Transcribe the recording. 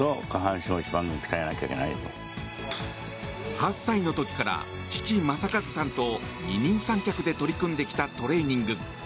８歳の時から父・正和さんと二人三脚で取り組んできたトレーニング。